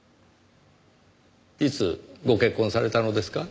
いつご結婚されたのですか？